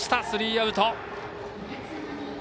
スリーアウト。